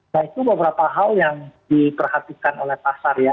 nah itu beberapa hal yang diperhatikan oleh pasar ya